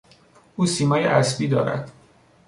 او سیمای اسبی دارد.